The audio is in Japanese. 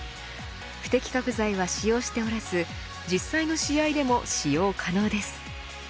不適格材は使用しておらず実際の試合でも使用可能です。